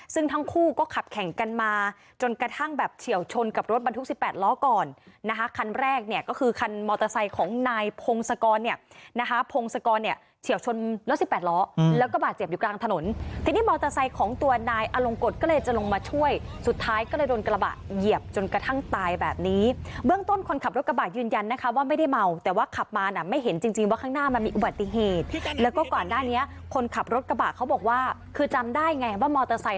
ซึ่งทั้งคู่ก็ขับแข่งกันมาจนกระทั่งแบบเฉียวชนกับรถบรรทุกสิบแปดล้อก่อนนะคะคันแรกเนี่ยก็คือคันมอเตอร์ไซส์ของนายพงศกรเนี่ยนะคะพงศกรเนี่ยเฉียวชนรถสิบแปดล้อแล้วก็บาดเจ็บอยู่กลางถนนทีนี้มอเตอร์ไซส์ของตัวนายอลงกรดก็เลยจะลงมาช่วยสุดท้ายก็เลยโดนกระบาดเหยียบจนกระทั่งตาย